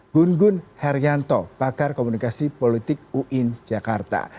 gungun haryanto pakar komunikasi politik uin jakarta